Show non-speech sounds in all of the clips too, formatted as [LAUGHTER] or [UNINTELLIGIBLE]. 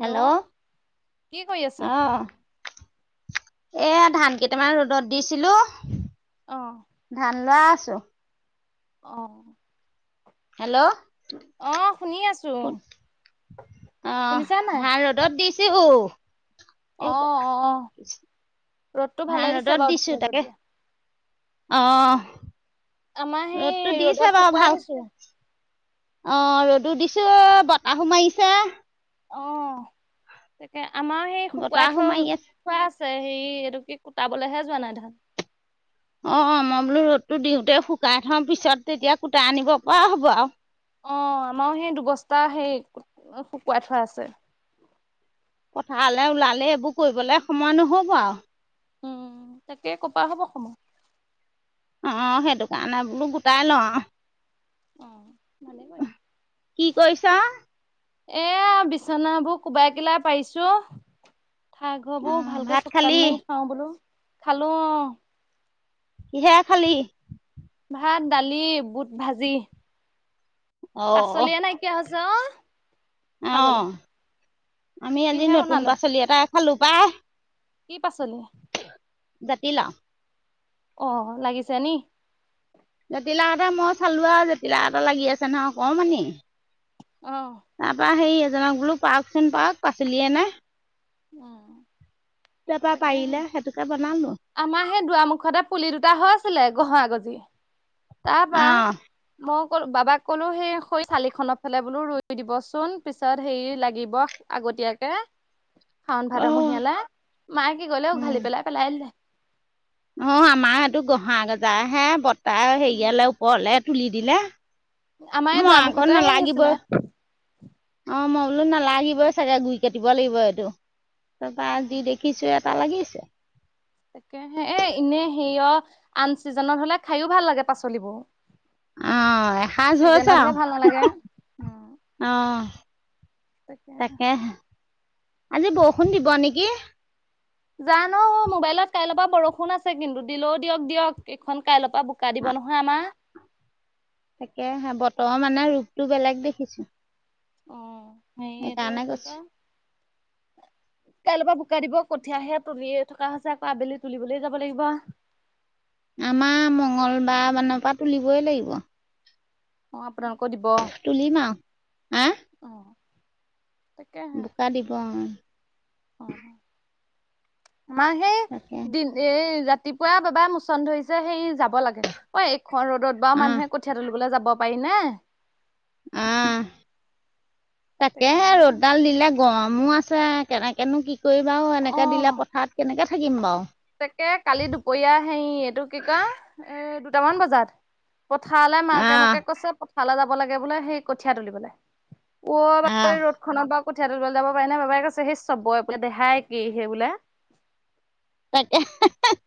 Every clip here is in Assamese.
হেল্ল' কি কৰি আছে? অহ এয়া ধান কেইটামান ৰ'দত দিছিলো অ' ধান লোৱা ছো অহ। হেল্ল' অ, শুনি আছো। শুনিছা অহ নাই? ধান ৰ'দত দিছো অ' এ অ' ৰ'দটো ভালে ধান দিছে ৰদত বাৰু দিছো ধুনীয়া তাকে দিয়া। অ আমাৰ ৰ'দটো সেই ৰ'দত দিছে বাৰু শুকুৱাই ভাল থৈছো। অহ ৰ'দো দিছো বতাহো মাৰিছে অ তাকে আমাৰ সেই শুকোৱাই বতাহো থোৱা মাৰি আছে থোৱা আ সেই এইটো কি কুটাবলৈহে যোৱা নাই ধান অ অ মই বোলো ৰ'দটো দিওঁতে শুকাই থওঁ পিছত তেতিয়া কুটা আনিব পৰা হ'ব আও অ আমাৰো সেই দুবস্তা হেৰি শুকুৱাই থোৱা আছে পথাৰলে ওলালে এইবোৰ কৰিবলৈ সময় নহব আও উম তাকে কপা হ'ব সময় অঁ সেইটো কাৰণে বোলো গোটাই লওঁ আও অহ ভালেই কইলা কি কৰিছ এ বিচনাবোৰ কোবাই কিলা পাৰিছো এ ঘাই অ ঘবোৰ ভালকে ভাত খালি চুকতান মাৰি থওঁ বোলো খালো অ কিহে খালি ভাত, দালি, বুট ভাজি। অ' পাচলিয়ে নাইকিয়া হৈছে অ। অ খাবলে। আমি আজি কিহে নতুন বনালে? পাচলি এটাই খালো পাই। কি পাচলি? জাতিলাও। অ লাগিছে নি? জাতিলাও এটা মই চালো আ জাতিলাও এটা লাগি আছে নহয় অকমানি। অ' তাপা সেই এজনক বোলো পাঅকচোন পাঅক পাচলিয়ে নাই। অ। তাৰপৰা পাৰিলে তাকেহে সেইটোকে বনালো আমাৰ হেই দুৱাৰ মুখতে পুলি দুটা হৈ হৈছিলে [UNINTELLIGIBLE] [UNINTELLIGIBLE] তা পা অ' মোক কল বাবাক ক'লো সেই হৈ চালি খনৰ ফালে বোলো ৰুই দিবচোন। পিছত হেৰি লাগিব আগত তীয়াকে শাওন, অ' ভাদমহীয়ালে। মায়ে কি [UNINTELLIGIBLE] উঘালি উম পেলাই পেলাই দিলে। অ, আমাৰ সেটো গহা গজা হে। বৰ্তাই হেৰিয়ালে ওপৰলে তুলি দিলে। আমাৰে মই আকৌ দুৱামুখতে হেই নালাগিবই হৈছিলে। অ, মই বোলো নালাগিবই চাগে। গুই কাটিব লাগিব এইটো। তাপা উম। যি দেখিছো ইয়াত এটা লাগিছে। তাকেহে, এ ইনে হেয় আন চিজনত হলে খাইয়ো ভাল লাগে পাচলিবো। অ' এসাঁজ হৈছে চিজনতহে আৰু ভাল নালাগে। উম। অ' তাকেহে। আজি বৰষুণ দিব নেকি? জানো মোবাইলত কাইলে পা বৰষুণ আছে কিন্তু। দিলেও দিয়ক দিয়ক এইখন কাইলে পা পা বোকা দিব নহয় আমা। তৰ মানে ৰূপটো বেলেগ দেখিছো। অ হেই এইটো কি কয়, কাইলে পা বোকা দিব। কঠিয়াহে তুলিয়ে থকা হৈছে। আকৌ আবেলি তুলিবলৈ যাব লাগিব। আমা মঙ্গলবাৰ মানৰ পা তুলিবই লাগিব। অ, আপোনালোকৰ দিব। তুলিম আৰু হা অ। বোকা দিব অ। অ অ। আমা হেই তাকে দিন এই ৰাতিপুৱা বাবাই মোচন ধৰিছে হেই যাব লাগে। অই এখন ৰ'দত বা অঁ মানুহে কঠিয়া তুলিবলে মানুহে যাব পাৰি নে? আহ, তাকে। তাকেহে ৰ'দডাল দিলে গৰমো আছে কেনেকেনো কি কৰিবাও অ এনেকে দিলে পথাৰত কেনেকে থাকিম। [UNINTELLIGIBLE] তাকে কালি দুপৰীয়া হেৰি এইটো কি কয় এ দুটামান বজাত। পথাৰলে মাকে অঁ মোকে কৈছে পথাৰলে যাব লাগে বোলে সেই কঠীয়া তুলিবলে। ৱ অঁ [UNINTELLIGIBLE] ৰ'দ খনত বাও কঠীয়া তুলিব যাব পাৰে নে? বাবাই কৈছে সেই চবৰে বোলে দেহাই একেইহে বোলে। তাকে [UNINTELLIGIBLE]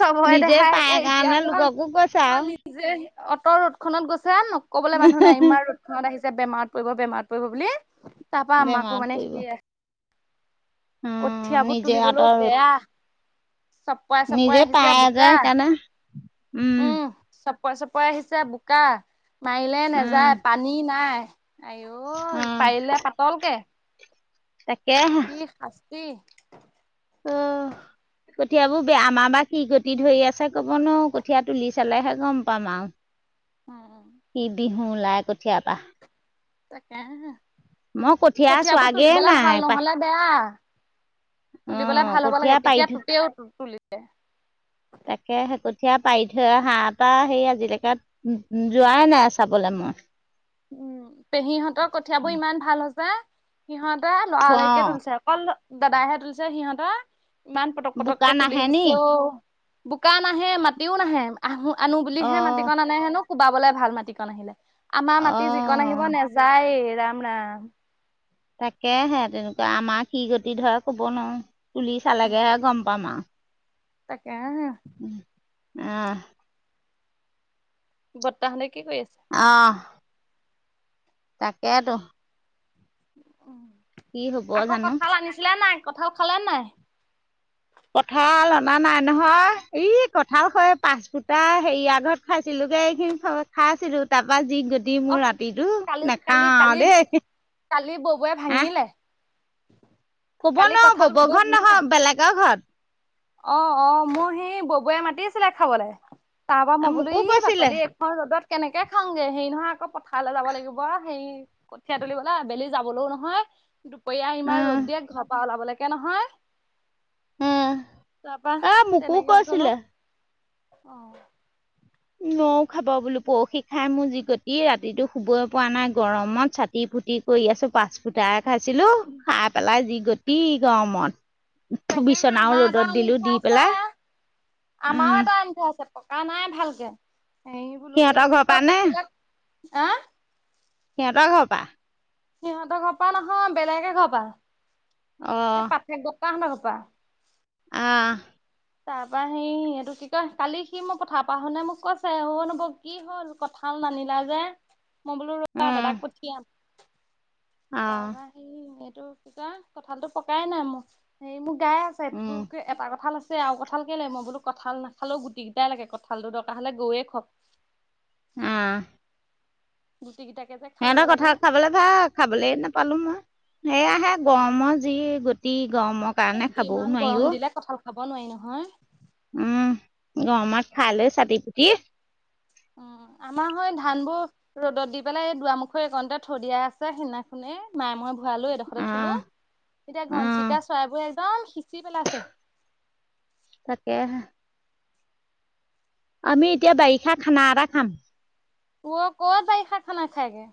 চবৰে নিজে দেহা পায় একে এতিয়া কাৰণে আকৌ লোককো কৈছে অ নিজে অত' ৰ'দখনত গৈছে। নকবলে মানুহ নাই। আৰু ইমান ৰ'দ খনত আহি যে বেমাৰত পৰিব, বেমাৰত পৰিব বুলি। তাপা আমাকো বেমাৰত মানে পৰিব সি [UNINTELLIGIBLE] অঁ কঠিয়াবোৰ নিজে তুলিবলেও আঁতৰ ৰ'দ বেয়া। চপৰাই চপৰাই নিজে আহিছে পায় যে বোকা। সেইকাৰণে উম। চপৰে চপৰে আহিছে বোকা। মাৰিলে উম, নেযায় পানী নাই। আইঔ উম, পাৰিলে পাতলকে। তাকেহে। শাস্তি কি? অ। কঠিয়াবোৰ বেয়া। আমা বা কি গতি ধৰি আছে কব নোৱাৰো, কঠীয়া তুলি চালেহে গম পাম আও। অ। [UNINTELLIGIBLE] ওলাই কঠীয়া পা তাকেহে। কঠীয়া কঠিয়াবোৰ চোৱাগে তুলিবলৈ নাই ভাল পাই নহলে বেয়া। তুলিবলে অ', ভাল হ'ব কঠীয়া লাগে পাৰি তেতিয়া তুতেও তুলি [UNINTELLIGIBLE] তাকেহে। কঠীয়া পাৰি থৈ আহা পা সেই আজিলেকে উ যোৱাই নাই চাবলৈ। [UNINTELLIGIBLE] উম, পেহীহঁতৰ কঠিয়াবোৰ ইমান ভাল হৈছে। সিহঁত [UNINTELLIGIBLE] লৰা লৰিকে অ', তুলিছে অকল দাদাইহে তুলিছে সিহঁতৰ। ইমান পটক বোকা পটককে নাহে নি? [UNINTELLIGIBLE] বোকা নাহে মাটিও নাহে আহো আনো বুলিহে অ', মাটিকন আনে হেনো [UNINTELLIGIBLE] ভাল মাটিকন আহিলে আমাৰ মাতি [UNINTELLIGIBLE] যিকন আহিব অ', নেযায়ে ৰাম ৰাম। তাকেহে তেনেকুৱা আমাৰ কি গতি ধৰে কব নোৱাৰো। তুলি উম, চালেগেহে গম পাম আৰু। [UNINTELLIGIBLE] [UNINTELLIGIBLE] [UNINTELLIGIBLE] অ'। তাকেইতো। উম, আকৌ জানো কঠাল আনিছিলা নাই? কঁঠাল খালা নাই? কঁঠাল অনা নাই নহয় এই কঁঠাল হয় পাঁচ ফুটা হেৰি [UNINTELLIGIBLE] ঘৰত খাইছিলো এইখিনি খাই আছিলো তাৰপা যি গতি অ মোৰ ৰাতিটো কালি কালি নাখাও কালি আৰু দেই। [UNINTELLIGIBLE] কালি ববৌয়ে আহ ভাঙিলে। ক'ব কালি নোৱাৰোঁ কঁঠাল ববৰ ববৌৱে ঘৰ ভাঙিলে। নহয় বেলেগৰ ঘৰত। অ', অ' মোৰ সি ববুয়ে মাতিছিলে খাবলৈ। তাৰপৰা মই বোলো মোকো ই কৈছিলে বাকলি এইখন ৰ'দত কেনেকে খাওঁগে হেৰি নহয় আকৌ পথাৰলৈ যাব লাগিব হেৰি কঠীয়া তুলিবলৈ আবেলি যাবলৈও নহয়। দুপৰীয়া ইমান ৰ'দ দিয়ে ঘৰ পৰা ওলাবলৈকে নহয়। তাৰপা এ মোকো তেনেকে গলো কৈছিলে অ'। নও খাব বোলো পৰশি খাই মোৰ যি গটি ৰাতিটো শুবয়ে পাৰা নাই গৰমত চাতি [UNINTELLIGIBLE] কৰি আছো পাচ [UNINTELLIGIBLE] খাইছিলো খাই পেলাই যি গতি গৰমত। তাকেহে বিচনাও আমাৰ এটা ৰ'দত আনি দিলোঁ থোৱা দি পেলাই আছে উম, আমাৰো এটা আনি থোৱা আছে পকা নাই ভালকে, হেৰি বোলো সিহঁতৰ এইটো ঘৰৰ কি পৰা কই নে পকিলে, হা সিহঁতৰ ঘৰৰ পা সিহঁতৰ ঘৰপা নহয় বেলেগে এঘৰপা অ। [UNINTELLIGIBLE] [UNINTELLIGIBLE] তাৰ পৰা হেৰি এইটো কি কয় কালি সি মোক পঠাৰৰ পৰা আহোতে মোক কৈছে অ' নবৌ কি হ'ল কথা নানিলা যে। মই বোলো ৰবা দাদাক উম, পঠিয়াম অ', তাৰপৰা সি টো কি কয় কঁঠালটো পকাই নাই মোৰ হেৰি মোৰ গাই আছে উম, [UNINTELLIGIBLE] এটা কঠাল আছে। আৰু কঁঠাল কেলে মই বোলো কঁঠাল নাখালেও গুটি গিতায়ে লাগে কঁঠালটো দৰকাৰ হ'লে গৰুৱে খাওঁক। [UNINTELLIGIBLE] গুটি কেইটাকে যে খাবলে সিহঁতৰ লাগে কঠাল খাবলৈ ভাল খাবলৈ নাপালো মই সেয়াহে অ গৰমৰ যি গতি গৰমৰ এ কাৰণে খাবও ইমান নোৱাৰি গৰম অ', দিলে কঁঠাল খাব নোৱাৰি নহয়। উম গমাৰ খালৈ চাতি পুতি অ'। আমাৰ হয় ধান বোৰ ৰ'দত দি পেলাই এই দুৱাৰ মুখত একণতে থৈ দিয়া আছে সিদিনাখনে [UNINTELLIGIBLE] মই ঘোৱালো এডোখৰতে থলো অ', এতিয়া অ', ঘনচিকা চৰাইবোৰে একদম পেলাইছে [UNINTELLIGIBLE] তাকেহে। আমি এতিয়া বাৰিষা খানা এটা খাম। ও, ক'ত বাৰিষা খানা খাইগে?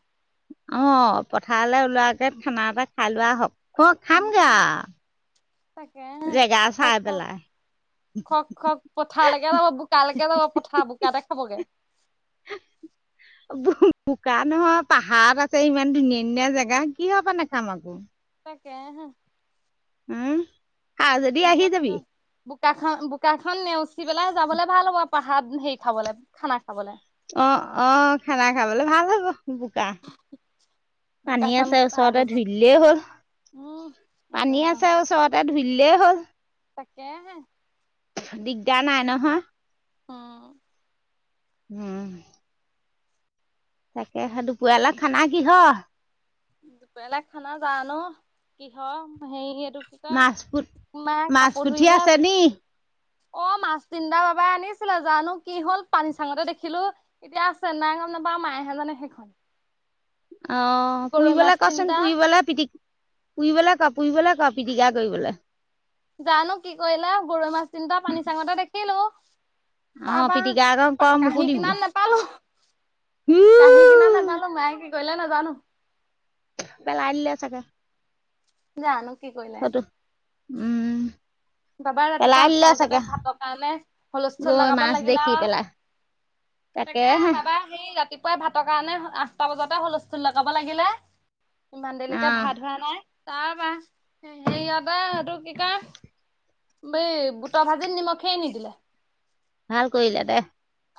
অ' পথাৰলৈ ওলোৱাকে খানা এটা খাই লোৱা আহক [UNINTELLIGIBLE] খামগে উম তাকে জেগা খক চাই খক পেলাই। খক খক পঠাৰলৈকে যাব বোকালৈকে যাব পঠা বোকাতে খাবগে। [INAUDIBLE] বোকা নহয় পাহাৰত আছে ইমান ধুনীয়া-ধুনীয়া জেগা কিহৰ কাৰনে খাম আকৌ। [UNINTELLIGIBLE] খা যদি আহি যত যাবি। বোকাখন, বোকাখন নেওচি পেলাই যাবলৈ ভাল হ'ব পাহাৰত হেৰি খাবলৈ -খানা খাবলে। অ, অ খানা খাবলৈ ভাল হ'ব বোকা। পানী বোকাখন আছে পাৰ ওচৰতে হৈ হৈ ধুইদিলেই হ'ল, উম পানী একদম আছে ওচৰতে ধুই দিলে হ'ল। তাকে হে। দিগদাৰ নাই নহয়। উম। উম। তাকে সে দুপৰীয়ালে খানা কিহৰ? দুপৰীয়ালে খানা জানো কিহৰ হেৰি এটো কি কয়, মাছ পুঠ তোমাৰ মাছ কাপোৰ পুঠি ধুইহে আছে আছিল, নি অ মাছ তিনটা বাবাই আনিছিলে জানো কি হল পানী চাঙতে দেখিলো, এতিয়া আছে নাই গম নাপাওঁ। মায়ে নে সেইখন। অ, গৰৈ মাছ পুৰিবলৈ কচোন তিনিটা পুৰিবলৈ পিট পুৰিবলৈ ক পুৰিবলৈ ক পিটিকা কৰিবলৈ। জানো কি কৰিলে গৰৈ মাছ তিনিটা পানী চাঙটে দেখিলো। অ তাপা পিটিকা অকণ ক মোকো কাঁহী দিবি কিনাৰত নাপালো। উ কাঁহী কিনাৰত নাপালো, মায়ে কি কৰিলে নাজানো। পেলাই দিলে চাগে। জানো কি কৰিলে। ফটো উম। চবে ৰাতিপুৱা পেলাই আঠটা দিলে বজাতে চাগে ভাতৰ কাৰণে হুলস্থুল গৈ লগাব মাছ লাগিলে দেখি আৰু পেলাই তাকে তাকেহে বাবা সেই ৰাতি পুৱাই ভাতৰ কাৰণে আঠটা বজাতে হুলস্থুল লগাব লাগিলে ইমান দেৰিলৈকে আহ ভাত হোৱা নাই। তাৰপা হেৰিয়তে এইটো কি কয় এই বুটৰ ভাজিত নিমখেই নিদিলে। ভাল কৰিলে দে।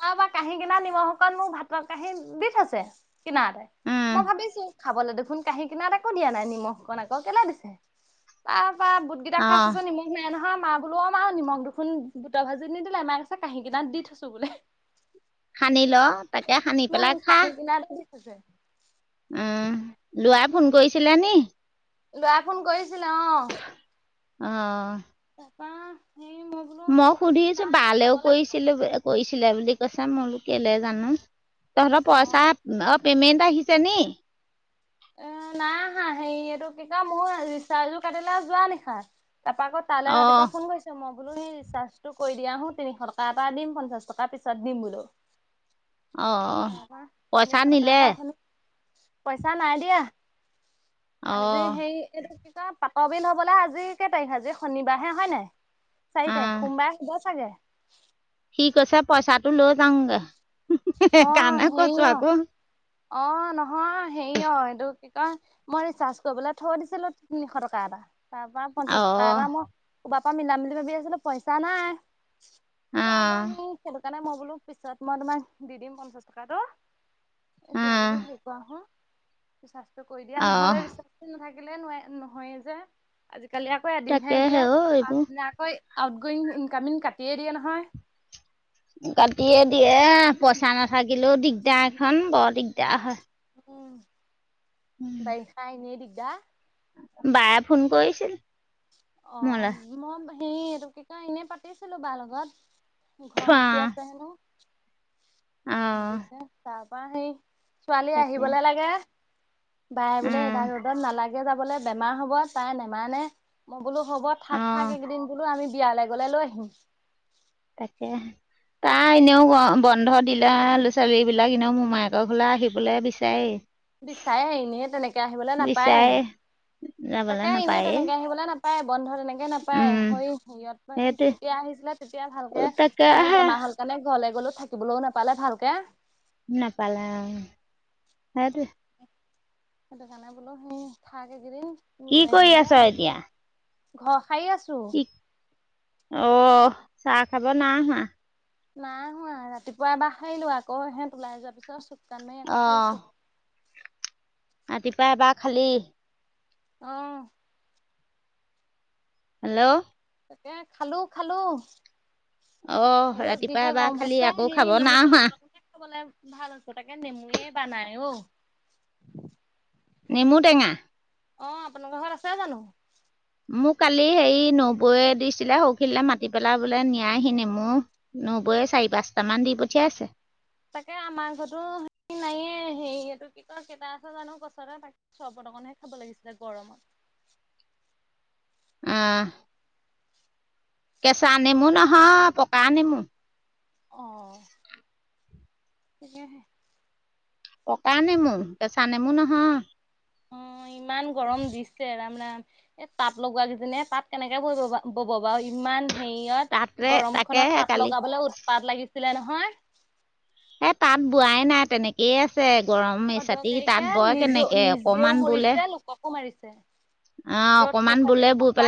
তাৰপা কাঁহী কিনাৰত নিমখ অকণ মোক ভাতৰ কাঁহীত দি থৈছে কিনাৰতে উম মই ভাবিছো খাবলৈ দেখোন কাঁহী কিনাৰত একো দিয়া নাই নিমখ অকণ আকৌ কেলে দিছে! তা টাপা বুটকেইটা অ খাইছো চোন নি নহয় মা বোলো অ মা আৰু নিমখ দুখোন বুটৰ ভাজিত নিদিলে, মায়ে কৈছে কাহী কিনাৰত দি থৈছো বোলে। সানি ল, তাকে সানি পেলাই খা। আছে। উম, লোৱাই ফোন কৰিছিলে নি? ল'ৰাই ফোন কৰিছিলে, অ। অ। তাপা মই সুধিছো বালেও লাগিব কৈছিলো, কৈছিল ছিলে বুলি কৈছে মই বোলে কেলে জানো, তহঁতৰ অ' পইচা অ পেমেন্ট আহিছে নি? হা হেৰিটো কি কয় মোৰ ৰিচাৰ্জো কাটিলে যোৱা নিশাই তাৰপৰা আকৌ কাইলে অ ৰাতিপুৱা ফোন কৰিছে মোক বোলো সেই ৰিচাৰ্জটো কৰি দিয়া হো তিনিশ টকা এটা দিম পঞ্চাশ টকাৰ পিছত দিম বোলো। অ, অ, তাৰপা পইচা তিনিশ টকা নিলে? এটা অথনি পইচা নাই দিয়া, অ আজি হেৰি এইটো কি কয় পাতৰ বিল হবলৈ আজি কেই তাৰিখ, আজি শনিবাৰ হে হয় নাই? অ চাৰি তাৰিখ, সোমবাৰে হ'ব চাগে। সি কৈছে পইচাটো লৈ যাওঁনগে। সেই অ কাৰণে হেৰি কৈছো অ আকৌ। অ, নহয় হেৰি অ এইটো কি কয় মই ৰিচাৰ্জ কৰিবলৈ থৈ দিছিলো তিনিশ টকা এটা। তাৰপা পঞ্চাছ অ টকা এটা মই কবাৰ পৰা মিলাম বুলি ভাবি আছিলো, পইচা নাই। তাৰপা অ [UNINTELLIGIBLE] সেইটো কাৰণে মই বোলো পিছত মই তোমাক দি দিম পঞ্চাছ টকাটো। এতিয়া বোলো আহ সেই কৰা নহয়। ৰিচাৰ্জটো কৰি দিয়া আহ নহলে ৰিচাৰজটো নাথাকি [UNINTELLIGIBLE] ন নহয়েই যে। আজি-কালি আকৌ তাকে এদিনহে দিয়ে। হে অ এইবোৰ পাছদিনা আকৌ আউট গয়িং, ইনকামিং কাটিয়েই দিয়ে নহয়। কাটিয়ে দিয়ে। পইচা নাথাকিলেও দিগদাৰ এখন, বৰ দিগদাৰ হয়। উম, বাৰিষা এনেই দিগদা। বায়ে ফোন কৰিছিল। অ মোলে মই হেৰি এইটো কি কয় এনে পাতিছিলো বাৰ লগত। ঘৰ অ মুচি আছে হেনো অ মুচি আছে হেনো। তাৰ পা হেই ছোৱালী তাকে আহিবলে লাগে। বায়ে বোলে উম এইদাল ৰ'দত নালাগে যাবলে বেমাৰ হ'ব। তাই নেমানে। মই বোলো হ'ব অ থাক থাক এইকেইদিন। বোলো আমি বিয়ালে গলে লৈ আহিম। তাকেহে। তাৰ এনেও বন্ধ দিলা ল'ৰা-ছোৱালী বিলাক এনেও মোমায়েকৰ ঘৰলে আহিবলে বিচাৰেই। বিচাৰেই এনে তেনেকে আহিবলৈ নাপায়। বিচাৰে যাবলৈ তাকে এনেই নাপায়েই তেনেকে আহিবলৈ নাপা বন্ধ তেনেকে নাপায়। উম হয়ও হেৰিয়ত সেইটোৱে তেতিয়া আহিছিলে। তেতিয়া ভালকে মোৰ তাকেহে বেমাৰ হল কাৰ [UNINTELLIGIBLE] ঘৰলে গ'লেও থাকিবলৈও নাপালে ভালকে। নেপালে অ সেইটোৱে। সেইটো কাৰণে বোলো হেৰি থাক এইকেদিন। কি কৰি আছ এতিয়া? ঘৰ সাৰি আছো। কি অ, চাহ খাব নাই হোৱা। নাই হোৱা। ৰাতিপুৱা এবাৰ সাৰিলোঁ আকৌ। এহেত ওলাই যোৱাৰ পিছত চো চান মাৰি আকৌ অ'। সাৰিছোঁ। ৰাতিপুৱা এবাৰ খালি। অ। হেল্ল' তাকে খালো, খালো। আই অ ৰাতিপুৱা যিহে এবাৰ গৰম খালি হৈছে। আকৌ খাব হেৰি নেমু নাই হোৱা। চৰবতকে খাব লাগে। ভাল হৈছে। তাকে নেমু এবাৰ নাই অ। নেমু টেঙা অ, আপোনালোকৰ ঘৰত আছে জানো? মোক কালি হেৰি নবৌৱে দিছিলে ঔ খিনিলে মাতি পেলাই বোলে নিয়াহি নেমু। নবৌ [UNINTELLIGIBLE] চাৰি, পাঁচটা মান দি পঠিয়াইছে। তাকে আমাৰ ঘৰতো নাইয়ে, হেৰি এইটো কি কয় কেইটা আছে জানো গছতে চৰবত অকনহে খাব লাগিছিলে গৰমত। [INAUDIBLE] আহ কেঁচা নেমু নহয়, পকা নেমু। অ। তাকেহে। পকা নেমু, কেঁচা নেমু নহয়। অ। ইমান গৰম দিছে। ৰাম ৰাম! এই তাঁত লগোৱা কেইজনীয়ে তাঁত কেনেকে বৈব বব বাৰু। ইমান হেৰিয়ত তাতে গৰম খনত তাকেহে তাঁত কালি লগাবলৈ উৎপাত লাগিছিলে নহয়। এ তাঁত বোৱাই নাই, তেনেকেই আছে। গৰম এচাতি অদৰকাৰীকে তাত বয় নিজেও কেনেকে? নিজেও অকমান বোলে মৰিছে লোককো মাৰিছে অ' ৰ'দ সেই অকমান ছাতিত বোলে বৈ সঁচাই পেলা